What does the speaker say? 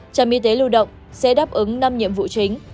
trạm y tế lưu động sẽ đáp ứng năm nhiệm vụ chính